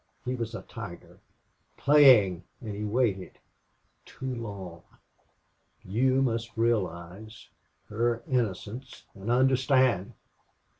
He was a tiger playing and he waited too long. You must realize her innocence and understand.